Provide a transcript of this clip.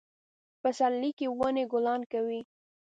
په پسرلي کې ونې ګلان کوي